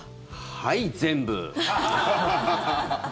はい、全部。